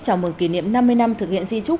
chào mừng kỷ niệm năm mươi năm thực hiện di trúc